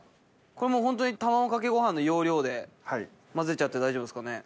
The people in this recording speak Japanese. これホントに卵かけご飯の要領で混ぜちゃって大丈夫ですかね。